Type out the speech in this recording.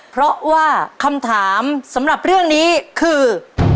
เพราะว่าคำถามสำหรับเรื่องนี้คือ